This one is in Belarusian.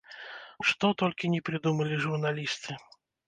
Што толькі ні прыдумалі журналісты.